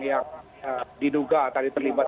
yang diduga tadi terlibat